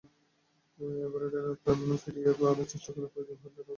অ্যাবারডিনে প্রাণ ফিরিয়ে আনার চেষ্টা করা প্রয়োজন বলে নগর কর্তৃপক্ষ স্বীকার করেছে।